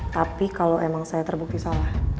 tapi kalau emang saya terbukti salah